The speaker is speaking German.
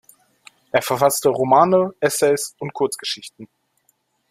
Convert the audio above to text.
Er verfasste Romane, Essays und Kurzgeschichten.